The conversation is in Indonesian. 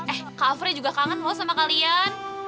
eh kak afrey juga kangen lo sama kalian